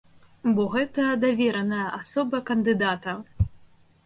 Бо гэта давераная асоба кандыдата.